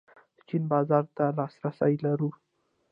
د چین بازار ته لاسرسی لرو؟